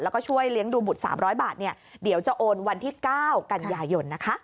แล้วก็ช่วยเลี้ยงดูบุตร๓๐๐บาทเดี๋ยวจะโอนวันที่๙กันยายนนะคะ